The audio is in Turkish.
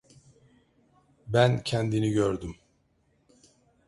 Ben kendini gördüm.